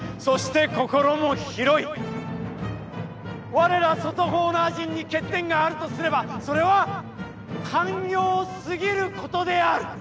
われら外ホーナー人に欠点があるとすれば、それは寛容すぎることである！